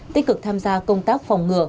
tích cực tham gia công tác phòng ngừa